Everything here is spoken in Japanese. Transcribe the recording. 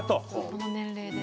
この年齢で。